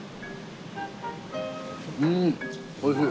うーんおいしい。